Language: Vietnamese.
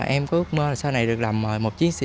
em có ước mơ là sau này được làm một chiến sĩ